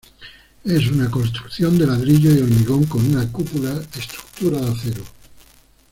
Es una construcción de ladrillo y hormigón con una cúpula estructura de acero.